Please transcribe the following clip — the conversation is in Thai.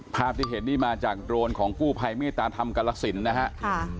ภาพที่เผ็ดนี่มาจากโดรนของกู้ไพรมิตรธรรมกรสินนะฮะค่ะ